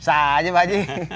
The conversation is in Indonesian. bisa aja pak ji